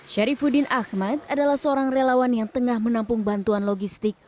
syarifudin ahmad adalah seorang relawan yang tengah menampung bantuan logistik